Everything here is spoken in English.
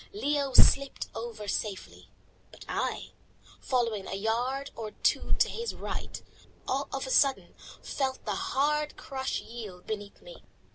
Leo slipped over safely, but I, following a yard or two to his right, of a sudden felt the hard crust yield beneath me.